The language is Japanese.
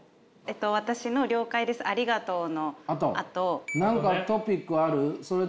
私の「了解ですありがとう」のあと。